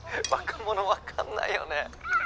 若者分かんないよね